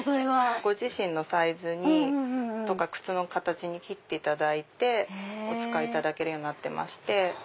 ご自身のサイズに靴の形に切っていただいてお使いいただけるようになってまして。